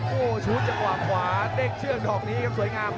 โอ้โหชู้จังหวะขวาเด้งเชือกดอกนี้ครับสวยงาม